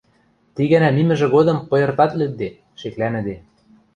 ти гӓнӓ мимӹжӹ годым пыйыртат лӱдде, шеклӓнӹде;